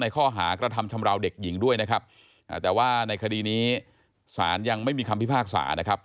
ข้อหากระทำชำราวเด็กหญิงด้วยนะครับแต่ว่าในคดีนี้ศาลยังไม่มีคำพิพากษานะครับ